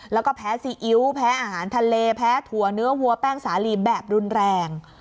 แล้วก็แพ้ซีอิ๊วแพ้อาหารทะเลแพ้ถั่วเนื้อวัวแป้งสาลีแบบรุนแรง